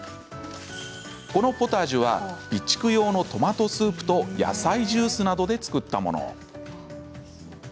このポタージュは備蓄用のトマトスープと野菜ジュースなどで作ったもの。